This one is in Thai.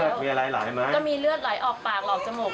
ดำว่านเหมือนกัน